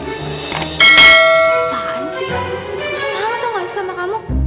takan sih kenapa lo tau gak sih sama kamu